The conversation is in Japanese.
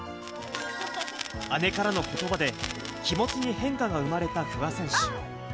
姉からのことばで、気持ちに変化が生まれた不破選手。